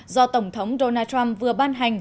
do tổng thống donald trump vừa ban hành